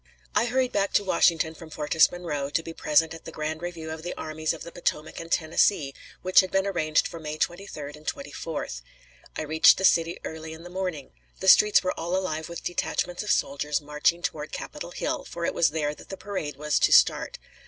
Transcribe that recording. I hurried back to Washington from Fortress Monroe to be present at the grand review of the Armies of the Potomac and Tennessee, which had been arranged for May 23d and 24th. I reached the city early in the morning. The streets were all alive with detachments of soldiers marching toward Capitol Hill, for it was there that the parade was to start.